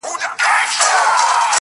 خو دا لمر بيا په زوال د چا د ياد ,